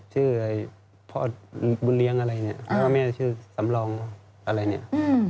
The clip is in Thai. ชื่อพ่อบุญเลี้ยงอะไรเนี่ยไม่ว่าแม่ชื่อสำรองอะไรเนี่ย